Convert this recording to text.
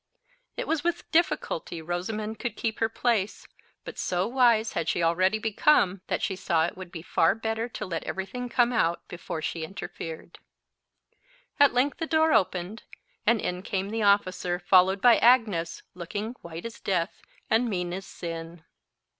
It was with difficulty Rosamond could keep her place, but so wise had she already become that she saw it would be far better to let every thing come out before she interfered. At length the door opened, and in came the officer, followed by Agnes, looking white as death and mean as sin.